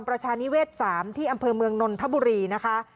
ประชานิเวศ๓ที่อำเภอเมืองนนทบุรีนะคะ